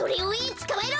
つかまえろ！